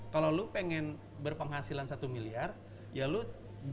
kalau lo pengen berpenghasilan satu miliar ya lo belajar sama orangnya